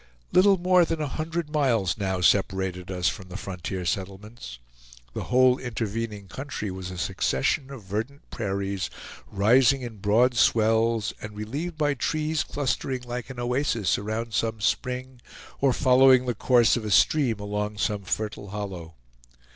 Little more than a hundred miles now separated us from the frontier settlements. The whole intervening country was a succession of verdant prairies, rising in broad swells and relieved by trees clustering like an oasis around some spring, or following the course of a stream along some fertile hollow.